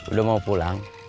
udah mau pulang